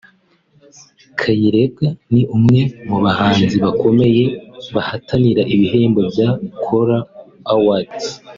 Kayirebwa ni umwe mu bahanzi bakomeye bahatanira ibihembo bya Kora Awards